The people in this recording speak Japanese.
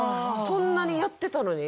そんなにやってたのに？